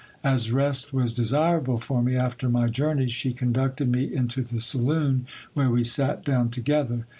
As rest was desir able for me after my journey, she conducted me into the saloon, where we sat down together.